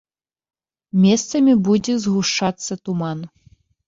Месцамі будзе згушчацца туман.